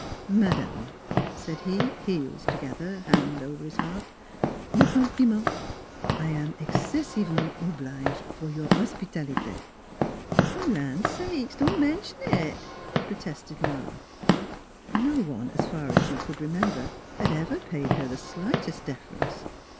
"Madame," said he, heels together, hand over his heart, " mes compliments! I am excessive ment oblige for your hospitalite." " Land sakes ! don't mention it !" protested Ma. No one, as far as she could remember, had ever paid her the slightest deference.